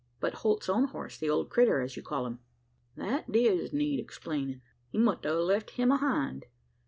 "But Holt's own horse the old `critter,' as you call him?" "That diz need explainin'. He must a left him ahind.